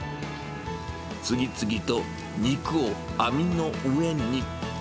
次々と肉を網の上に。